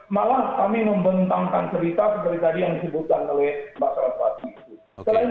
malah kami membentangkan cerita seperti tadi yang disebutkan oleh masyarakat